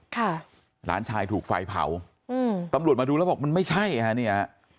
หลานชายถูกไฟเผาอืมตำรวจมาดูแล้วบอกมันไม่ใช่ฮะเนี่ย